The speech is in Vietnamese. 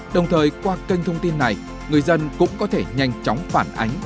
đồng thời qua kênh thông tin này người dân cũng có thể nhanh chóng phản ánh